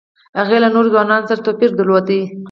هغې له نورو ځوانانو سره توپیر درلود